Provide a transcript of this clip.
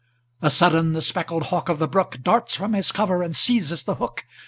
A sudden, the speckled hawk of the brook Darts from his cover and seizes the hook.